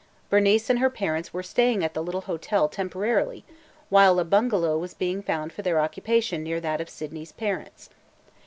Bernice and her parents were staying at the little hotel temporarily while a bungalow was being found for their occupation near that of Sydney's parents.